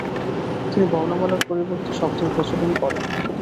তিনি বর্ণমালার পরিবর্তে শব্দের প্রচল করেন।